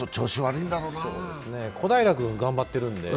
小平君、頑張ってるんで。